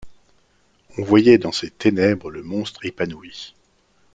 On voyait dans ces ténèbres le monstre épanoui.